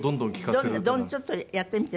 ちょっとやってみて。